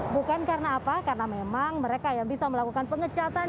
bukan karena apa karena memang mereka yang bisa melakukan pengecatan